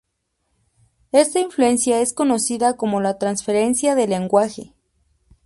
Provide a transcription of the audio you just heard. Esta influencia es conocida como la transferencia de lenguaje.